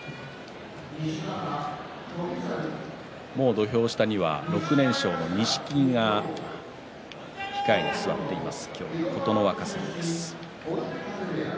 土俵下には、６連勝の錦木が控えに座っています。